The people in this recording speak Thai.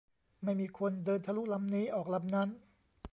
ไม่มีคน เดินทะลุลำนี้ ออกลำนั้น